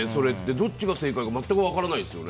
どっちが正解か全く分からないですよね。